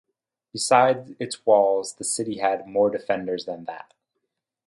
Besides its walls, the city had more defenders than that.